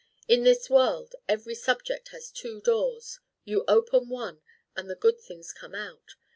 In this world every subject has two doors: you open one, and the good things come out.